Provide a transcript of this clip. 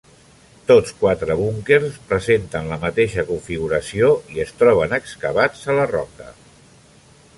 Tots quatre búnquers presenten la mateixa configuració i es troben excavats a la roca.